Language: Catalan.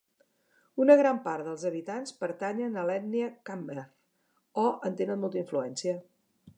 Una gran part dels habitants pertanyen a l'ètnia khmer o en tenen molta influència.